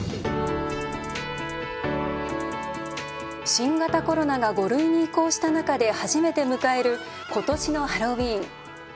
新型コロナが５類に移行した中で初めて迎える今年のハロウィーン。